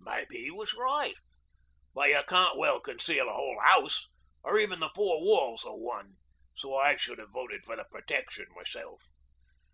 Maybe 'e was right, but you can't well conceal a whole house or even the four walls o' one, so I should 'ave voted for the protection myself.